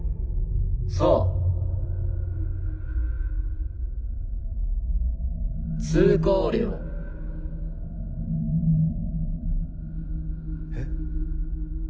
そう通行料えっ？